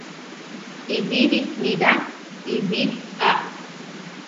Ibiri niraa ibiri á.